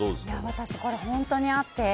私、これ本当にあって。